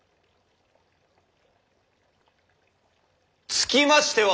つきましては！